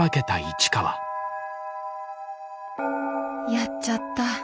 やっちゃった。